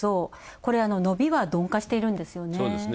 これ伸びは鈍化しているんですよね。